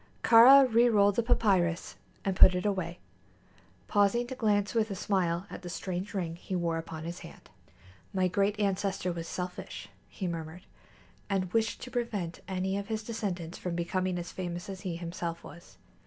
Kāra rerolled the papyrus and put it away, pausing to glance with a smile at the strange ring he wore upon his hand. "My great ancestor was selfish," he murmured, "and wished to prevent any of his descendants from becoming as famous as he himself was.